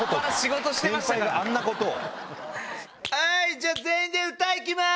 じゃあ全員で歌行きます！